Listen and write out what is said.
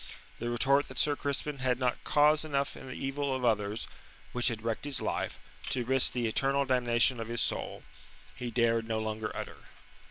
The retort that Sir Crispin had not cause enough in the evil of others, which had wrecked his life, to risk the eternal damnation of his soul, he dared no longer utter.